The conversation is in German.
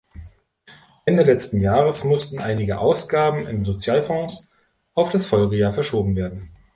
Ende letzten Jahres mussten einige Ausgaben im Sozialfonds auf das Folgejahr verschoben werden.